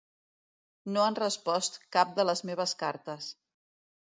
No han respost cap de les meves cartes.